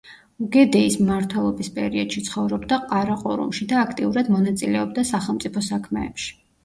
უგედეის მმართველობის პერიოდში ცხოვრობდა ყარაყორუმში და აქტიურად მონაწილეობდა სახელმწიფო საქმეებში.